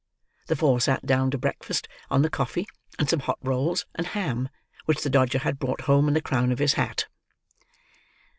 The four sat down, to breakfast, on the coffee, and some hot rolls and ham which the Dodger had brought home in the crown of his hat.